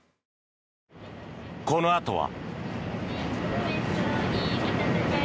このあとは。